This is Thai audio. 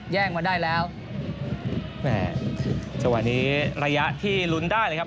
มาได้แล้วแหม่จังหวะนี้ระยะที่ลุ้นได้เลยครับ